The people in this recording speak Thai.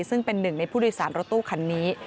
ซึ่งเป็นหนึ่งในผู้โดยสารรถตู้คันนี้